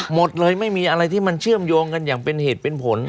หมดเลยไม่มีอะไรที่มันเชื่อมโยงกันอย่างเป็นเหตุเป็นผล